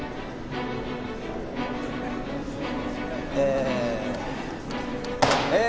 ええ。